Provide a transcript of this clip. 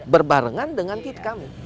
berbarengan dengan kita